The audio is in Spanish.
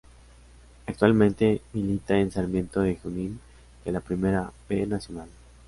Actualmente milita en Sarmiento de Junín de la Primera B Nacional.